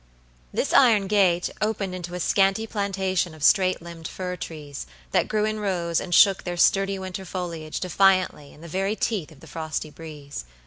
This iron gate opened into a scanty plantation of straight limbed fir trees, that grew in rows and shook their sturdy winter foliage defiantly in the very teeth of the frosty breeze.